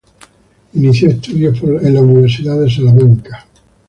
Inició estudios en la Universidad de Salamanca.